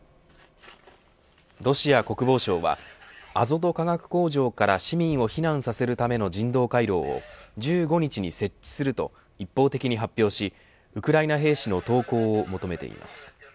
ロシア国防省はアゾト化学工場から市民を避難させるための人道回廊を１５日に設置すると一方的に発表しウクライナ兵士の投降を求めています。